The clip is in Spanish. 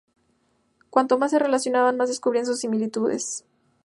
Cuanto más se relacionaban, más descubrían sus similitudes.